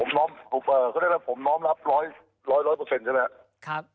ผมน้ำก็ได้เรียกว่าผมน้ำรับร้อยร้อยร้อยเปอร์เซ็นต์ใช่ไหมครับ